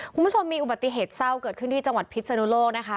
คุณผู้ชมมีอุบัติเหตุเศร้าเกิดขึ้นที่จังหวัดพิษนุโลกนะคะ